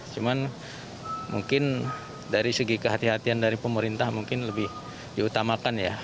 cuman mungkin dari segi kehatian kehatian dari pemerintah mungkin lebih diutamakan ya